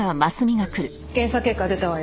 検査結果が出たわよ。